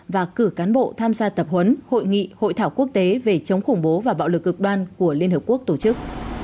và cử cán bộ tham gia tập huấn hội nghị hội thảo quốc tế về chống khủng bố và bạo lực cực đoan của liên hợp quốc tổ chức